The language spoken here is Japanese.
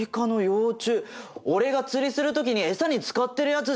俺が釣りする時に餌に使ってるやつじゃん！